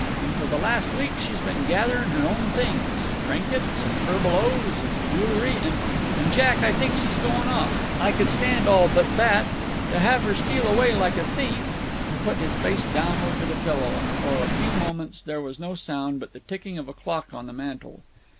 And for the last week she's been gathering her own things trinkets, and furbelows, and jew'lry and, Jack, I think she's goin' off. I could stand all but that. To have her steal away like a thief " He put his face downward to the pillow, and for a few moments there was no sound but the ticking of a clock on the mantel.